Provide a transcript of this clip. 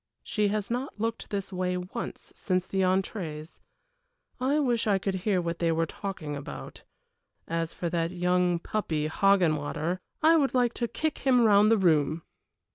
She has not looked this way once since the entrées. I wish I could hear what they are talking about. As for that young puppy Hoggenwater, I would like to kick him round the room!